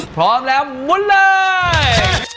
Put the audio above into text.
พร้อมแล้วมุนเลย